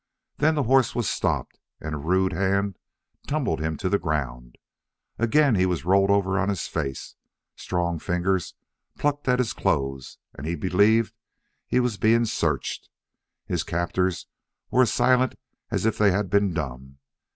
Then the horse was stopped and a rude hand tumbled him to the ground. Again he was rolled over on his face. Strong fingers plucked at his clothes, and he believed he was being searched. His captors were as silent as if they had been dumb.